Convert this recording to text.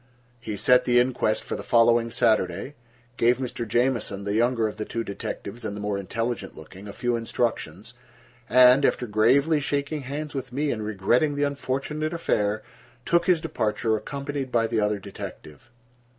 He set the inquest for the following Saturday, gave Mr. Jamieson, the younger of the two detectives, and the more intelligent looking, a few instructions, and, after gravely shaking hands with me and regretting the unfortunate affair, took his departure, accompanied by the other detective.